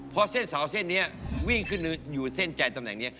พอเส้นเสาเส้นนี้วิ่งขึ้นอยู่เส้นใจตำแหน่งนี้